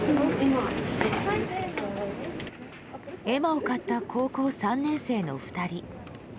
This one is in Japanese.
絵馬を買った高校３年生の２人。